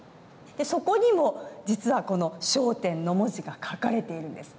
そこにも実はこの小篆の文字が書かれているんです。